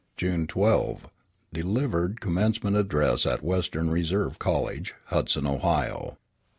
June 12. Delivered commencement address at Western Reserve College, Hudson, Ohio.